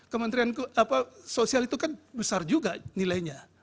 kementerian sosial itu kan besar juga nilainya